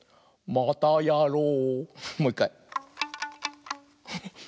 またやろう！